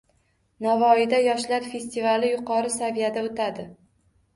Navoiyda yoshlar festivali yuqori saviyada o‘tadi